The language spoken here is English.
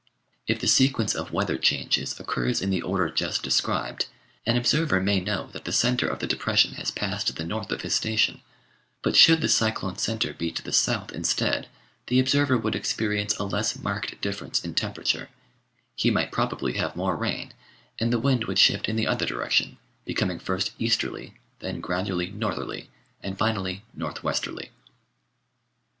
If the sequence of weather changes occurs in the order just described, an observer may know that the centre of the depression has passed to the north of his station; but should the cyclone centre be to the south instead, the observer would experience a less marked difference in temperature, he might probably have more rain, and the wind would shift in the other direction, becoming first easterly, then gradually northerly, and, finally, north westerly.